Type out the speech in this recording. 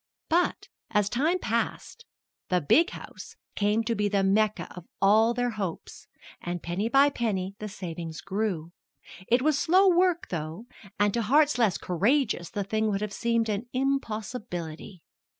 But, as time passed, the "big house" came to be the Mecca of all their hopes, and penny by penny the savings grew. It was slow work, though, and to hearts less courageous the thing would have seemed an impossibility.